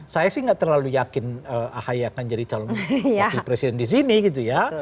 saya sih nggak terlalu yakin ahi akan jadi calon wakil presiden di sini gitu ya